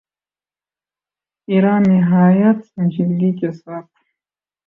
ایران نہایت سنجیدگی کے ساتھ